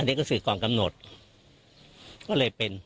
อันนี้ก็ศึกก่อนกำหนดก็เลยเป็น